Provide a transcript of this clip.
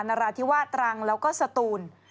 นราธิวาสตรังแล้วก็สตูน